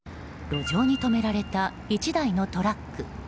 路上に止められた１台のトラック。